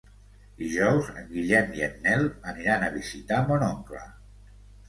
Dijous en Guillem i en Nel aniran a visitar mon oncle.